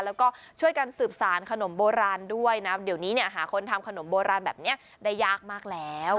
แล้วก็ช่วยกันสืบสารขนมโบราณด้วยนะเดี๋ยวนี้เนี่ยหาคนทำขนมโบราณแบบนี้ได้ยากมากแล้ว